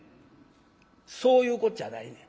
「そういうこっちゃないねん。